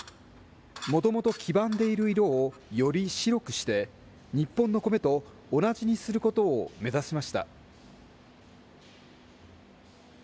もともと黄ばんでいる色を、より白くして、日本の米と同じにすることを目指しました。